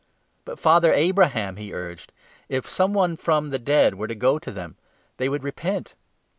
'But, Father Abraham,' he urged, 'if some one from the 30 dead were to go to them, they would repent.'